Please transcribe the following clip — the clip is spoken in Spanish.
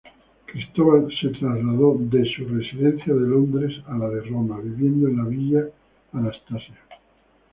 Cristóbal se trasladó su residencia de Londres a Roma, viviendo en la Villa Anastasia.